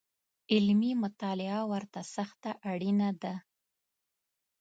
علمي مطالعه ورته سخته اړینه ده